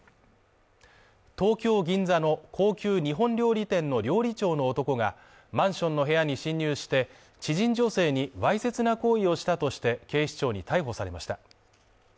東京・銀座の高級日本料理店の料理長の男がマンションの部屋に侵入して知人女性にわいせつな行為をしたとして警視庁に逮捕されました。